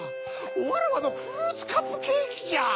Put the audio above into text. わらわのフルーツカップケーキじゃ。